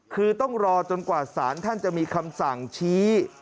คือต้องรอจนกว่าสารท่านจะมีคำสั่งชี้